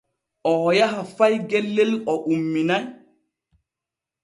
Oo yaha fay gellel o umminay.